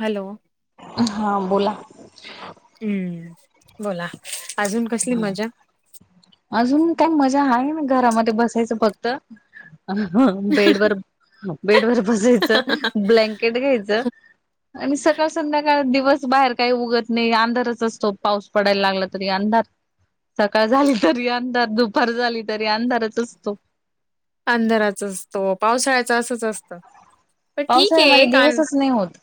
Hello हा बोला हम्म... बोला. अजून कसली मजा? अजून काय मजा हाये ना, घरामध्ये बसायचं फक्त बेडवर, बेडवर बसायचं... ब्लँकेट घ्यायचं आणि सकाळ संध्याकाळ, दिवस बाहेर काई उगत नई, अंधारच असतो. पाऊस पडायला लागला तरी अंधार सकाळ झाली तरी अंधार, दुपार झाली तरी अंधारच असतो. अंधारच असतो, पावसाळ्याचं असंच असतं. पण ठीक पावसाळ्यामध्ये ए... कान दिवसच नाही होत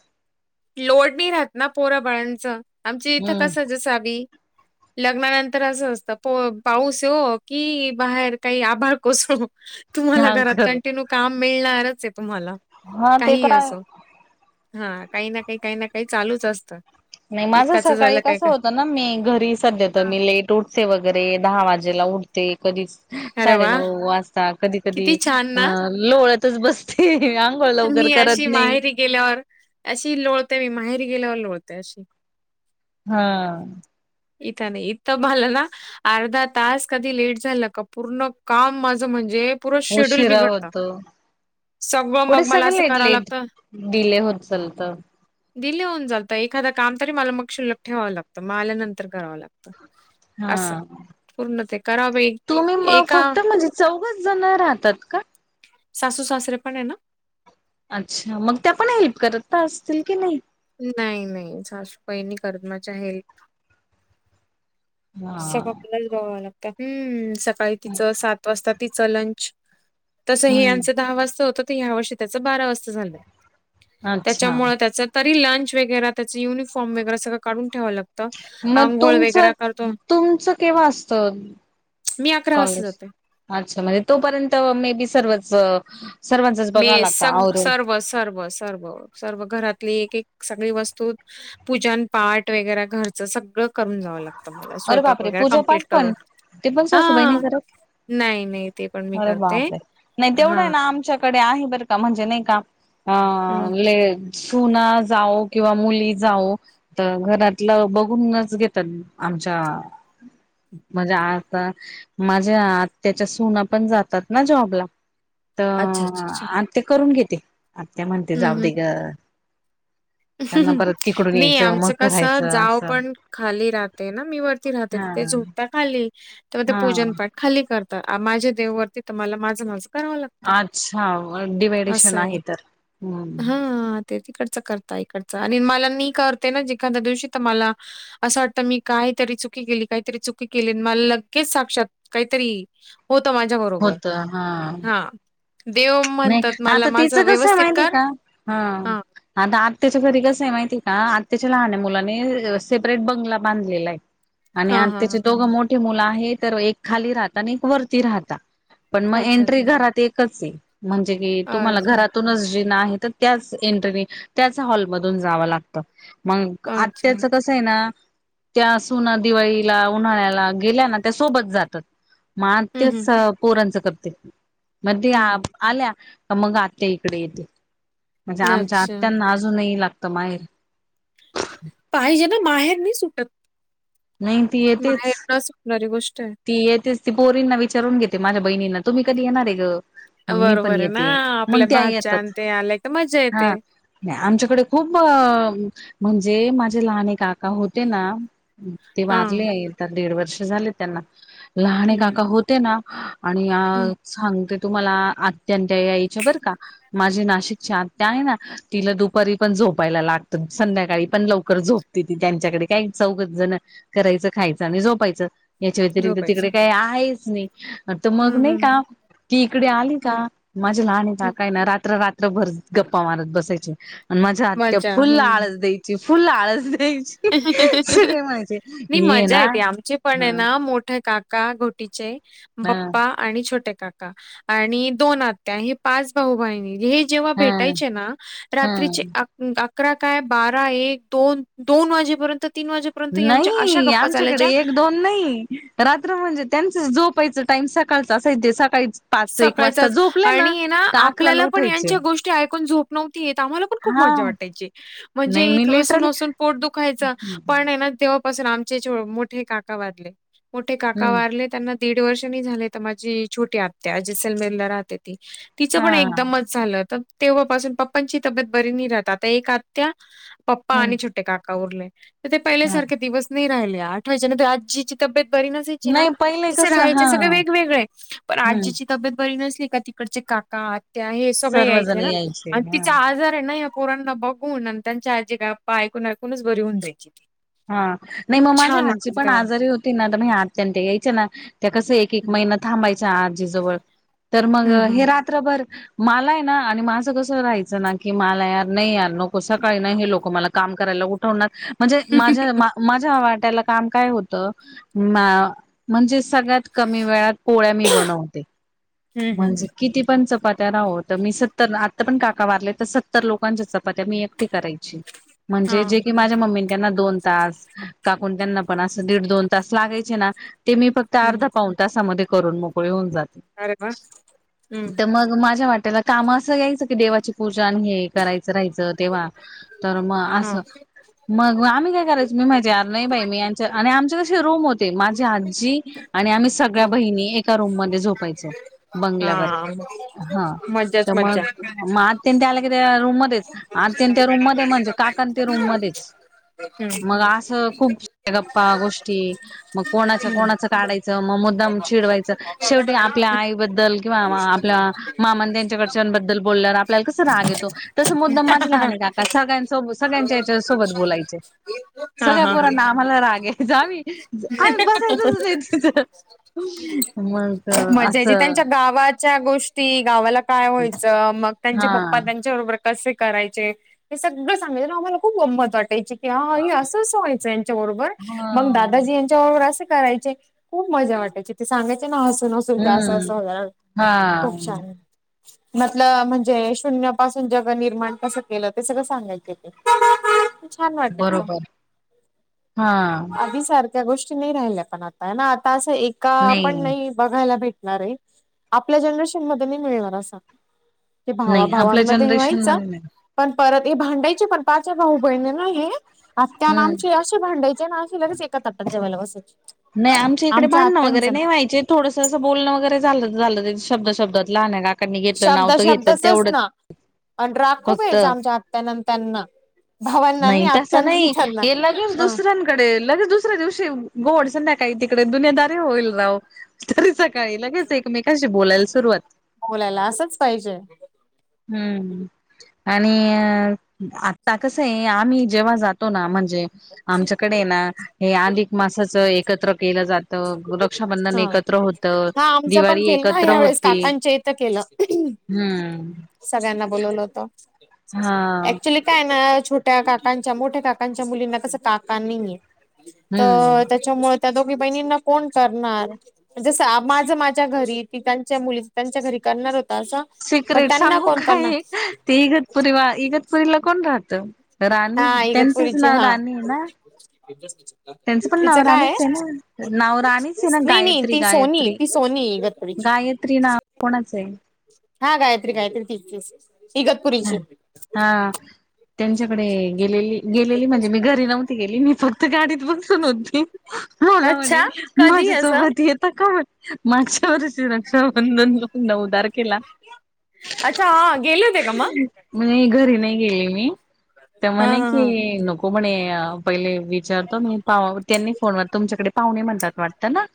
लोड नाही राहत ना पोरा बाळांचं आमच्या इथं कसं हम्म जसावी [unintelligible] लग्नानंतर असं असतं प पाऊस येवो की बाहेर काही आभार कोसळो तुम्हाला हा घरात खरं कंटिन्यू काम मिळणारच आहे तुम्हाला हा ते काहीही तर आहे असो हा काही ना काही काही ना काही चालूच असतं. नाही माझं एकाच सकाळी झालं काय कसं का होतं ना मी घरी सध्या तर मी लेट उटते वगैरे दहा वाजेला उठते कधी अरे वा साडेनऊ वाजता कधी कधी किती छान अ ना लोळतच बसते आंघोळ लवकर मी करत अशी नाही. माहेरी गेल्यावर अशी लोळते मी माहेरी गेल्यावर लोळते अशी हा. इथ नाही इथ मला ना अर्धा तास कधी लेट झालं का पूर्ण काम माझं म्हणजे पुरं शेड्यूल उशिरा बिघडत. होतो सगळं पुढे मग मला सगळं असं लेट करावं लेट लागत. डिले होत चालत डीले होऊन जातं एखाद काम तरी मला मग शिल्लक ठेवावं लागतं मग आल्यानंतर करावं लागत. हा असं पूर्ण ते करावे. तुम्ही म फक्त म्हणजे चौघच जण राहतात का? सासू सासरे पण आहे ना? अच्छा मग त्या पण हेल्प करत असतील की नाही? नाही नाही सासूबाई काही नाही करत माझ्या हेल्प. सका हा आपलाच बघवं लागतात हम्म सकाळी तिचं सात वाजता तिचं लंच. तस हे हम्म यांचं दहा वाजता होत तर ह्या वर्षी त्याचं बारा वाजता झालंय अच्छा त्याच्यामुळ त्याच. तरी लंच वगैरे, त्याच युनिफॉर्म वगैरे सगळं काढून ठेवावं लागतं मग आंघोळ तुमचं वगैरे करतो. तुमचं केव्हा असत मी अकरा वाजता कॉलेज? जाते. अच्छा म्हणजे तोपर्यंत मे बी सर्वच. सर्वांचच मे बघावं लागतं सग आवरून सर्व सर्व सर्व सर्व घरातली एक एक सगळी वस्तू. पूजन पाठ वगैरे घरचं सगळं करून जावं लागत मला अरे स्वयंपाक बापरे वगैरे पूजा पाठ कमप्लीट पण करून ते पण हा. सासूबाई नाही करत नाही नाही ते पण मी करते हा. कडे आहे बरं का म्हणजे नाही का. हम्म. सुना जाऊ किंवा मुली जाऊ तर घरातलं बघूनच घेतात. आमच्या. म्हणजे आता माझ्या आ त्याच्या सुना पण जातात ना जॉबला तर अच्छा अच्छा अच्छा. आत्या करून घेते आत्या म्हणते हम्म जाऊ हम्म. दे ग. त्यांना परत तिकडून नाही यायचं मग आमचं कस करायचं जाव असं पण. खाली राहते ना मी वरती राहते हा त ते झोपता खाली तेव ते हा पूजन पाठ खाली करतात माझ्या देव वरती तर मला माझं माझं करावं लागतं अच्छा डिवडशन असं आहे तर हम्म. तिकडच करता इकडचं आणि मला मी करते ना एखाद्या दिवशी तर मला असं वाटतं मी कायतरी चुकी केली काहीतरी चुकी केली मला लगेच साक्षात काहीतरी होत माझ्या बरोबर हा देव नाही म्हणतात मला आता माझं तिचं कसं आहे व्यवस्थित माहिती कर का हा आता आत्या त्याच्या घरी कस आहे माहिती आहे का आत्ताच्या लहान मुलानी सेपरेट बंगला बांधलेला आहे. आणि आ हां, हां, हां. त्याचे दोघं मोठे मुलं आहे तर एक खाली राहत आणि एक वरती राहतात. पण मग अच्छा, एंट्री अच्छा, घरात एकच आहे म्हणजे की तुम्हाला अच्छा, घरातूनच जिण आहे तर याच इंटरनेट हॉल मधून जाव लागत मग अच्छा. आत्या चं कसं - हे ना त्या सुना दिवाळीला उन्हाळ्याला गेल्या ना त्या सोबत जातात. हं, मआत्या हं, चं पोरांचं करते ते म हं. आप. आल्या तर मग आत्या इकडे येेते म्हणजे आमच्या अच्छा. आत्यांना आज. अजूनही लागतं माहेर. पाहिजे ना माहेर नाही सुटतं. नाही ती येतेच माहेर काय सुटणारी गोष्ट हे. ती येतेच ती पोरींना विचारून घेते माझ्या बहिणींना तुम्ही कधी येणार ग. मग मी पण बरोबर आहे ना. येते मग आपल्या ते भाच्या अन् येतात ते आल्या की मजा हा. येते. नाही आमच्याकडे खूप म्हणजे माझे लहान काका होते ना. ते हां. वारले आहे तर दीड वर्ष झाले त्यांना लहाने हं, काका होते ना. आणि हं. सांगते तुम्हाला आत्या त्या यायच्या बरं का. माझे नाशिकची आत्या हे ना. तिला दुपारी पण झोपायला लागतं संध्याकाळी पण लवकर झोपते ती त्यांच्याकडे काही चौवगच जण - करायचं खायचं आणि झोपायचं. याच्या व्यतिरिक्त झोपायचं. तिकडे काही आहेच नाही तर मग हं, नाही हं, हं. का ती इकडे आली हं, का? माझ्या लहाने हं. काका ना रात्र - रात्र भर गप्पा मारत बसायचे. आणि माझा आत्या मजा. फुल हं. आळस दयचे फुल फुल आळस दयचे. नाही मजा ना येते आमचे पण ह आहे ना मोठ्या काका - का घोटीचे ह बप्पा. आणि छोटे काका आणि दोन आत्या हे पाच भाऊ बहिणी हे. जेव्हा ह भेटायचे ना रात्रीचे ह अकरा काय बारा एक दोन. दोन वाजेपर्यंत तीन वाजेपर्यंत. यांच्या अशा नाही गप्पा चालायच्या आमच्याकडे एक दोन. नाही रात्र म्हणजे त्यांच झोपायचं टाईम सकाळचा असायच सकाळीचं. सकाळचाच आणि अकराला आपल्याला पण उठायचे यांच्या गोष्टी ऐकून झोप नव्हती येत आम्हाला- खूप हा मजा वाटायची नाही म्हणजे मी हसून लेटरली हसून पोट दुखायचा पण ना तेव्हा- तेव्हा पासून आमचे मोठे काका वाारले मोठे काका हम्म वाारले- त्यांना दीड वर्षनी झाले तर माझी छोटी आत्या जसलमेरला राहते ती तिचं हा पण एकदमच. झालं तर तेव्हापासून पप्पांची तब्येत बरी नाही राहत आता एक आत्या. पप्पा हम्म आणि छोटे काका उरले तर ते हा पहिल्यासारखे दिवस नाही राहिले आठवायच्या आजीची. तबेत बरी नसायची ना नाही पहिले जसं कसं राहायचे हा सगळे वेगवेगळे पण हम्म आजी. तब्येत बरी नसली का तिकडचे काका आत्या हे सगळे यायचे सर्वजण ना आणि हा तिचा आजार आहे ना- पोरांना बघून आणि त्यांच्या आजी गप्पा ऐकून ऐकूनच बरी होऊन जायची ती. हा नाही मग माझ्या छान आजी वाटायचं पण तेव्हा आजारी होती ना तर मग आत्या ते यायचे ना त्या कसं एक- एक महिन्यातं. थांबायच्या आजीजवळ तर मग हम्म हम्म हे रात्रभर - मला ना आणि माझं कसं राहायचं ना की मला यार नाही यार नको सकाळी ना हे लोक मला काम करायला उठ- -वणार म्हणजे माझ्या. माझ्या वाट्याला काम काय होतं म्हणजे सगळ्यात कमी वेळात. पोळ्या मी बनवते हम्म हम्म म्हणजे किती पण चपात्या राहो त मी सत्तर. आता पण काका वारले तर सत्तर लोकांच्या चपात्या मी एकटी करायची हा म्हणजे जे की माझ्या मम्मीने. ना दोन तास काकू त्यांना पण असं दीड दोन तास लागायचे ना ते मी फक्त. त्या हम्म अर्धा पाऊन तासामध्ये करून मोकळी होऊन जाते. अरे वा! हम्म, तर मग माझ्या वाट्याला काम असं यायचं की देवाची पूजा आणि हे करायचं राहायचं. तेव्हा तर मग हा असं! मग आम्ही काय करायच. मी माझं यार नाही बाई मी यांच्या आणि आमच्या कशी रूम होते. माझी आजी आणि आम्ही सगळ्या बहिणी एका रूम मध्ये झोपायचो हा बंगल्यावर हा हा मज्जाच तर मग मज्जा मग आत्तीन त्या आला कि रूम मध्येच आत्तीन त्या रूम मध्ये म्हणजे काका तेन रूम मध्येच हम्म मग असं खूप साऱ्या गप्पा गोष्टी मग कोणाच्या हम्म कोणाचं काढायचं. मग मुद्दाम चिडवायचं शेवटी आपल्या आई बद्दल किंवा आपल्या मामा त्यांच्याकडच्या बद्दल बोलल्यावर आपल्याला कस राग येतो. तसं मुद्दाम माझे लहान काका सगळ्यांसो सगळ्यांच्या याच्या सोबत बोलायचे. हा सगळ्या हा पोरांना हा आम्हाला राग यायंचा. आम्ही बसायचच नाही. तिथं मग मझा यायची असं त्यांच्या गावात गोष्टी गावाला काय व्हायचं. मग त्यांचे हा पप्पा त्यांच्याबरोबर कसे करायचे हे सगळं सांगायचे ना! आम्हाला खूप गंमत वाटयची. या आई असं असं व्हायचं यांच्याबरोबर हा मग दादाजी यां तेव्हा असं करायची खूप मजा वाटायची ते सांगायचे. ना तूमच असं हम्म असं होणार हा खूप छान म्हटलं म्हणजे शून्या पासून जग निर्माण कसं केलं. ते सगळ सांगायचे. ते छान वाटायचं बरोबर हा त्या गोष्टी नाही राहिल्या. पण आता ना आता अस एका पण नाही. बघायला भेटणार आहे. आपल्या जनरेशन मध्ये नाही मिळणार असा ते नाही आपल्या भावाभावांमध्ये जनरेशन व्हायचं! मध्ये नाही पण परत हे भांडायचे पण पाच भाऊ बहिणी ना हे आत्या अन हम्म आमच्या भांडायचे ना अशे लगेच. एका ताटात जेवायला बसायचे. नाही. आमच्या इकडे भाडणं वगैरे नाही. व्हायचे थोडं असं बोलणं वगैरे झालं झालं! शब्द शब्दात लहाने काकांनी घेतलं. नाव शब्दा तर घेतलं शब्दाचच तेवढंच ना आणि राग खूप फक्त यायचा आमच्या आत्यान आणि त्यांना भावांना नाही आणि तस आत्यांना आणि नाही त्यांना हे लगेच. हा दुसऱ्यां कडे लगेच दुसऱ्या दिवशी गोड संध्याकाळ तिकडे दुनिदारी होईल जावो. काळी लगेच. एकमेकशी बोलायला सुरुवात बोलायला असंच पाहिजे. हम्म आणि आता कसं आहे. आम्ही जेव्हा जातो ना! म्हणजे आमच्याकडे ना हे अधिक मासाचं एक एकत्र केलं जातं रक्षाबंधन हा एकत्र होत. हा आमचं पण दिवाळी केलं ना एकत्र यावेेळेस होती. काकांच्या इथं केलं हम्म सगळ्यांना बोलवलं होत. हा ऍक्चुली काय ना! छोट्या काकांच्या मोठ्या काकांच्या मुलींना कस काका नाहीे. तर हम्म त्या त्याच्यामुळे त्या दोघी बहिणींना कोण करणार! जस माझ माझ्या घरी ती त्यांच्या मुली त्यांच्या घरी करणार हो पण सिक्रेट त्यांना सांगू कोण करणार. काय ते इगतपुरी वा इगतपुरीला कोण राहतं? राणी त्यांचच नाव राणी आहे. ना! त्यांचं पण तिच नाव काय हे. राणीच आहे ना नाव राणीच आहे ना नाही नाही गायत्री ती सोनी गायत्री ती सोनी ईगपरीची गायत्री नाव कोणाचं आहे हा गायत्री, गायत्री तीच तीच इगतपुरीची हा त्यांच्याकडे गेलेली गेलेली म्हणजे मी घरी नव्हती गेली मी फक्त गाडीत बसून होती मला म्हणे अच्छा कधी असं? माझ्यासोबत येता का मागच्या वर्षी रक्षाबंधनला नवदार केला अच्छा हा गेले होते का मग मी नाही घरी नाही गेले मी तर हा म्हणे हा हा. की नको हो म्हणे पहिले विचारतो मी पाह त्यांनी फोनवर तुमच्याकडे पाहुणे म्हणतात वाटतं ना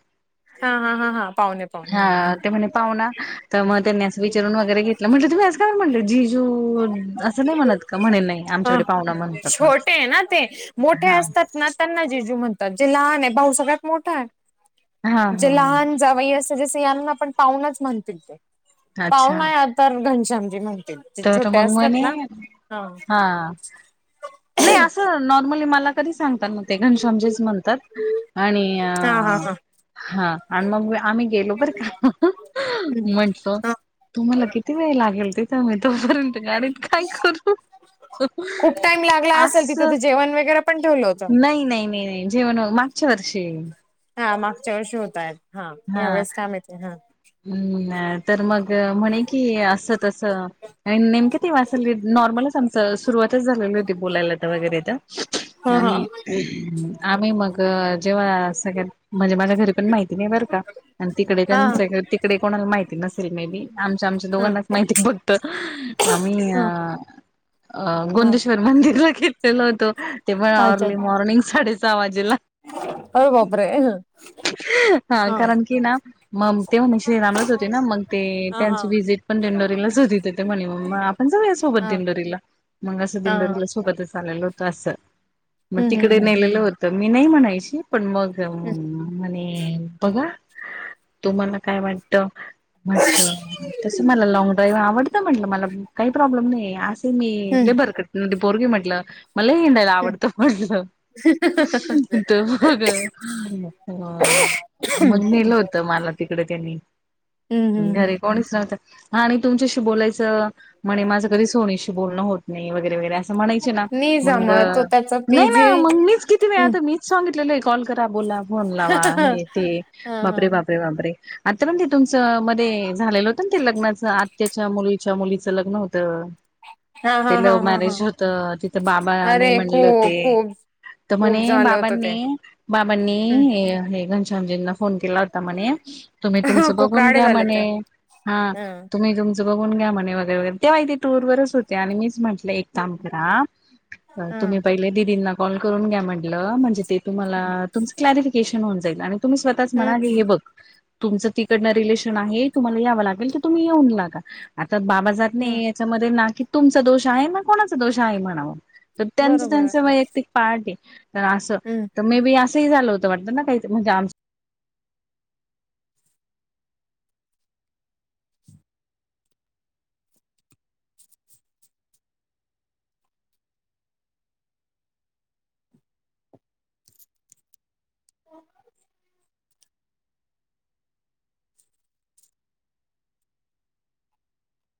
हा हा हा हा पाहुणे हा पाहुणे ते म्हणे पाहुना तर मग त्यांनीं असं विचारून वगैरे घेतलं म्हटलं तुम्हीं असं का म्हणले जीजू असं नाही म्हणत का म्हणे नाही हा आमच्याकडे पाहुणा म्हणतात ना छोटे आहे ना ते मोठे असतात त्यांना जीजू म्हणतात. जे लहान आहे भाऊ सगळ्यात मोठा हा आहे जे हा लहान जावई अस जस यांना पण पावणाच म्हणतील अच्छा पाहुणा तर घनश्यामजी म्हणतील जे तर छोटे मग म्हणे असतात ना हा नाही असं नॉर्मली मला तरी सांगतात ते घनशामजीच म्हणतात आणि हा हा हा हा आणि मग आम्ही गेलो बर का म्हटलो हा तुम्हाला किती वेळ लागेल तिथं मी तोपर्यंत गाडीत काय करू खूप टाइम लागला असेल अस तिथं ते जेवण वगैरे पण ठेवलं होत नाही नाही नाही नाही जेवण मागच्या वर्षी हा मागच्या वर्षी होत आहेत हा या वेळेस काय माहित हा हा तर मग म्हणे कि असं तस आणि नेमक ते माझ्यासंग नॉर्मलच आमच सुरुवातच झालेली ते बोलायला तर वगैरे तर हा हा आणि आम्ही मग जेव्हा सगळ्यात म्हणजे माझ्या घरी पण माहिती नाही बरं का आणि तिकडे हा त्यांच्या तिकडे कोणाला माहिती नसेल मे बी आमच आमच हा दोघांनाच माहिती बघ तर आम्ही अ हा अ हा गोंदेश्वर मंदिरला गेलेलो होतो ते पण अच्छा अर्ली मॉर्निंग साडे सहा वाजेला अरे बापरे हा कारण की ना मम श्रीरामलाच होती ना मग ते हा हा त्यांची व्हिजिट पण दिंडोरीलाच होती तर ते म्हणे म आपण जाऊया सोबत हा दिंडोरी म असं हा दिंडोरीला सोबतच चाललेलो होत अस म हम्म हम्म तिकडे हम्म नेलेलं होत तर मी नाही म्हणायची पण मग म्हणे बघा तुम्हाला काय वाटतं म्हटलं तसं मला लॉंग ड्राईव आवडतं असं म्हटलं मला काही प्रॉब्लेम नाही असेल मी हम्म लेबर करण्याची पोरगी म्हटलं मला लई हम्म आवडतं म्हटलं तर बघ मग नेलं होतं मला तिकडे त्यांनी हम्म हम्म हम्म घरी कोणीच नव्हत आणि तुमच्याशी बोलायचं म्हणे माझं कधी सोनीशी बोलणं होत नाही वगैरे वगैरे असं असं म्हणायचे ना नाही मग जमा तो त्याचा नाही बिझी ना मग मीच किती वेळ आता मी सांगितलेलं कॉल करा बोला फोन लावा हे हा ते हा बापरे बापरे बापरे आता पण ते तुमचं मध्ये झालेलं होतं ना ते लग्नाचं आत्याच्या मुलीच्या मुलीचं लग्न होतं हा ते हा हा लव्ह हा मॅरेज हा होतं तिथं बाबा अरे नाही म्हणल खूप ते खूप तर खूप म्हणे झालं होतं ते बाबांनी बाबांनी हम्म. हे हे घनश्यामजींना फोन केला होता म्हणे तुम्ही तुमचं खूप बघून राडे घ्या झाले म्हणे होते. हा तुम्ही तुमचं च बघून घ्या म्हणे वगैरे वगैरे तेव्हा ही ते टूर वरच होते आणि मीच म्हटले. ल एक काम हम्म करा हा तुम्ही पहिले दीदींना कॉल करून घ्या म्हटलं म्हणजे ते तुम्हाला तुमचं क्लॅरिफिकेशन होऊन जाईल आणि तुम्ही स्वतःच म्हणाल हम्म हे बघ तुमचं तिकडनं रिलेशन आहे तुम्हाला यावं लागेल तर तुम्ही येऊन लागा आता बाबा जात हम्म. हा. नाहीयेत. त्याच्यामधेना की तुमचा दोष आहे ना कोणाचा दोष आहे म्हणाव तर त्यांच बरोबर त्यांच वैयक्तिक पार्ट ये तर असं हम्म तर मेबी असंही झालं होतं वाटत ना काही म्हणजे आम [inaudible]